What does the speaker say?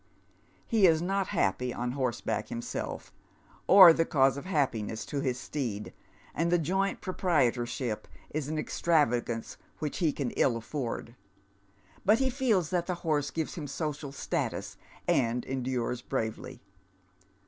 He is not happy on horseback himself, or the cause of happiness to his steed, and the joint proprietorship is an extravagance which he can ill aiford. But he feels that the horse gives him social status, and endures braveh^.